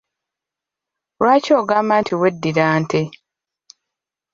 Lwaki ogamba nti weddira nte?